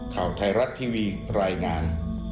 ข่าวไทยรัฐทีวีรายงาน